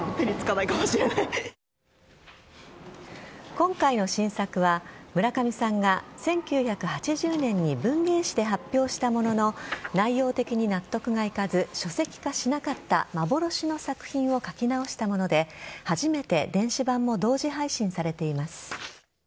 今回の新作は村上さんが１９８０年に文芸誌で発表したものの内容的に納得がいかず書籍化しなかった幻の作品を書き直したもので初めて電子版も同時配信されています。